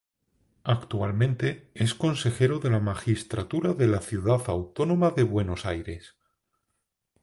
Actualmente es Consejero de la Magistratura de la Ciudad Autónoma de Buenos Aires.